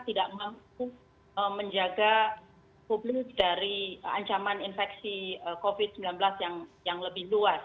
tidak mampu menjaga publik dari ancaman infeksi covid sembilan belas yang lebih luas